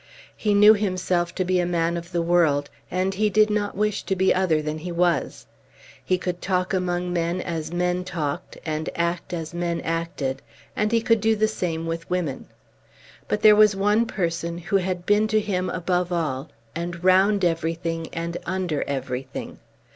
He knew himself to be a man of the world, and he did not wish to be other than he was. He could talk among men as men talked, and act as men acted; and he could do the same with women. But there was one person who had been to him above all, and round everything, and under everything.